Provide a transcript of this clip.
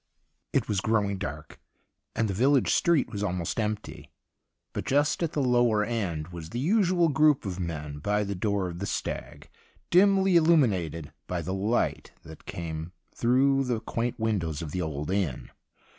It was growing dark, and the village street was almost empty; but just at the lower end was the usual group of men by the door of The Stag, dimly illuminated by the light that came through the quaint windows of the old inn.